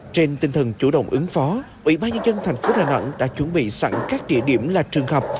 trên tinh thần chủ động ứng phó ủy ban nhân dân thành phố đà nẵng đã chuẩn bị sẵn các địa điểm là trường học